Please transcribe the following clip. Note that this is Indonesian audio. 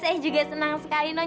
saya juga senang sekali nonto